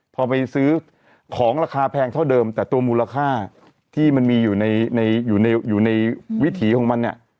พอไปซื้อของราคาแพงเท่าเดิมแต่ตัวมูลค่าที่มันมีอยู่ในอยู่ในวิถีของมันเนี่ย